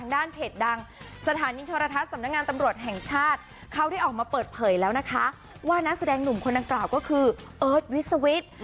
ด้านเพจดังสถานีโทรทัศน์สำนักงานตำรวจแห่งชาติเขาได้ออกมาเปิดเผยแล้วนะคะว่านักแสดงหนุ่มคนดังกล่าวก็คือเอิร์ทวิสวิทย์